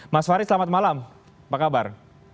mas farid selamat malam apa kabar